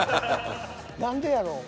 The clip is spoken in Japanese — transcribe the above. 何でやろう。